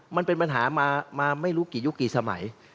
มันเป็นปัญหามาไม่รู้กี่ยุคกี่สมัย